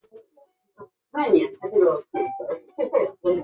后担任资政院议员。